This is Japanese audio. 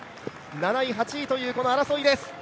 ７位、８位というこの争いです。